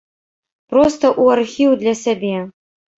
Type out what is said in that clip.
Проста ў архіў для сябе.